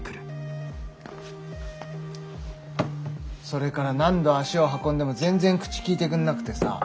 それから何度足を運んでも全然口きいてくんなくてさ。